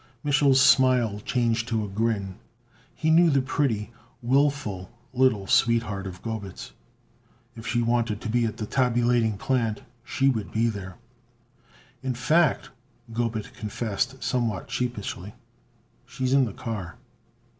Mich'l's smile changed to a grin. He knew the pretty, willful little sweetheart of Gobet's. If she wanted to be at the tabulating plant she would be there. "In fact," Gobet confessed somewhat sheepishly, "she is in the car."